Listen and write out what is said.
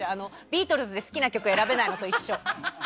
ビートルズで好きな曲を選べないのと一緒。